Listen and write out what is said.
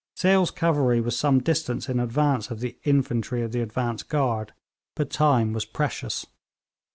Sale's cavalry was some distance in advance of the infantry of the advance guard, but time was precious.